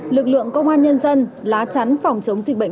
lực lượng công an nhân dân lá chắn phòng chống dịch bệnh